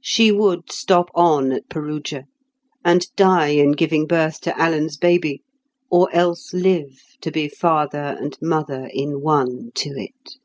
She would stop on at Perugia, and die in giving birth to Alan's baby; or else live to be father and mother in one to it.